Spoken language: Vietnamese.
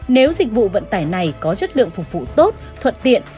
nếu dịch vụ vận tải này có chất lượng phục vụ tốt thuận tiện